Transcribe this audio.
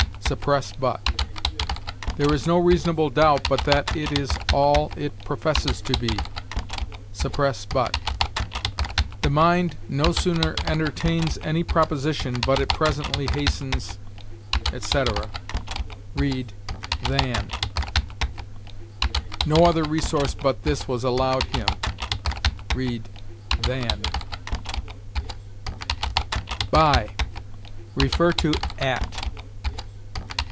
suppress but. "There is no reasonable doubt but that it is all it professes to be": suppress but. "The mind no sooner entertains any proposition but it presently hastens," etc.: read, than. "No other resource but this was allowed him": read, than. BY. See AT.